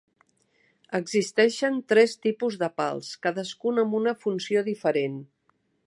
Existeixen tres tipus de pals, cadascun amb una funció diferent.